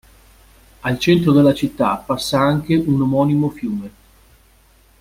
Al centro della città passa anche un omonimo fiume.